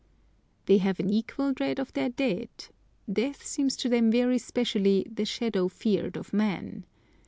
They have an equal dread of their dead. Death seems to them very specially "the shadow fear'd of man."